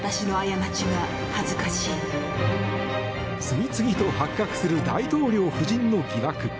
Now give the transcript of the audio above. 次々と発覚する大統領夫人の疑惑。